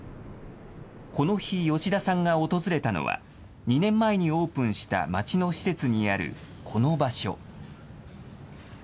この日、吉田さんが訪れたのは、２年前にオープンした町の施設にあるこの場所。